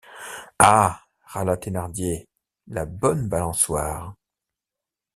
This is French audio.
Ah! râla Thénardier, la bonne balançoire !